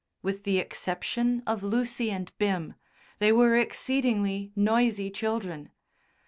With the exception of Lucy and Bim they were exceedingly noisy children.